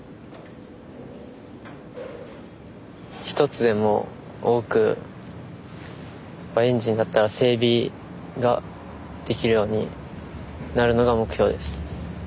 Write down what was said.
一つでも多くエンジンだったら整備ができるようになるのが目標です。